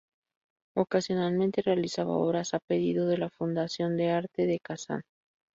Ocasionalmente realizaba obras a pedido de la Fundación de Arte de Kazán.